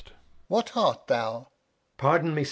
What art thou ? Edg. Pardon me.